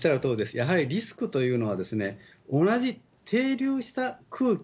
やはりリスクというのは、同じ停留した空気。